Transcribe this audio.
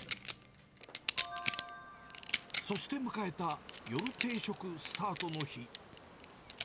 そして迎えた夜定食スタートの日。